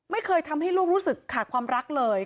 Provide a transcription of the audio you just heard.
ไม่เคยทำให้ลูกรู้สึกขาดความรักเลย